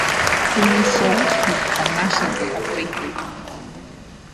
Fremy's salt is commercially available.